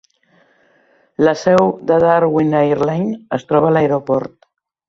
La seu de Darwin Airline es troba a l'aeroport.